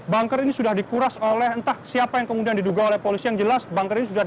banker ini sudah dikuras oleh entah siapa yang kemudian diduga oleh polisi yang jelas